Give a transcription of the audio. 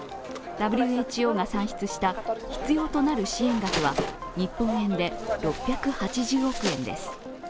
ＷＨＯが算出した必要となる支援額は、日本円で６８０億円です。